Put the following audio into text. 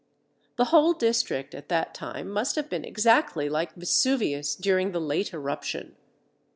The whole district at that time must have been exactly like Vesuvius during the late eruption.